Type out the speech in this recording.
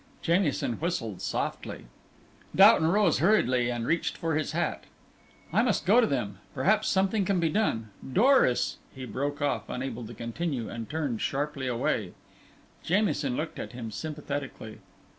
Jamieson whistled softly. Doughton rose hurriedly and reached for his hat. "I must go to them. Perhaps something can be done. Doris " he broke off, unable to continue, and turned away sharply. Jamieson looked at him sympathetically.